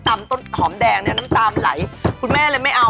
ต้นหอมแดงเนี่ยน้ำตาลไหลคุณแม่เลยไม่เอา